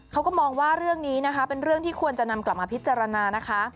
เขาก็มองว่าเรื่องนี้นะคะเป็นเรื่องที่ควรจะนำกลับมาพิจารณานะคะ